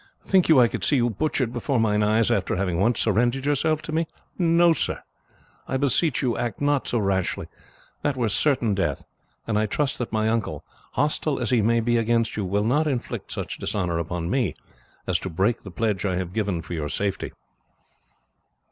Think you I could see you butchered before mine eyes after having once surrendered yourself to me? No, sir. I beseech you act not so rashly that were certain death; and I trust that my uncle, hostile as he may be against you, will not inflict such dishonour upon me as to break the pledge I have given for your safety."